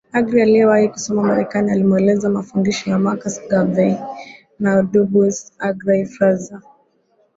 Aggrey aliyewahi kusoma Marekani alimweleza mafundisho ya Marcus Garvey na Du Bois Aggrey Fraser